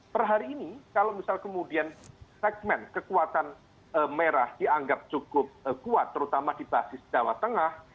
per hari ini kalau misal kemudian segmen kekuatan merah dianggap cukup kuat terutama di basis jawa tengah